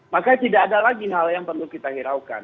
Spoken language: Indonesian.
maka tidak ada lagi hal yang perlu kita hiraukan